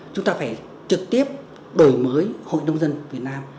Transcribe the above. chúng ta phải trực tiếp đổi mới hội nông dân việt nam